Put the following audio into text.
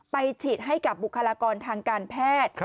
ฉีดให้กับบุคลากรทางการแพทย์